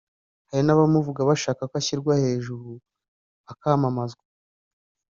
hari n’abamuvuga bashaka ko ashyirwa hejuru akamamazwa